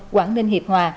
quảng ninh hiệp hòa